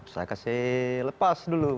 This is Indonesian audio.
saya kasih lepas dulu